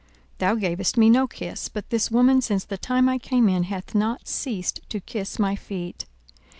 42:007:045 Thou gavest me no kiss: but this woman since the time I came in hath not ceased to kiss my feet.